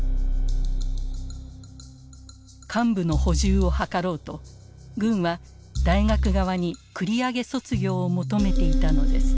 幹部の補充を図ろうと軍は大学側に繰り上げ卒業を求めていたのです。